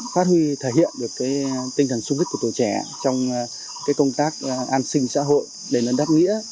phát huy thể hiện được tinh thần xung đích của tổ trẻ trong công tác an sinh xã hội để nâng đáp nghĩa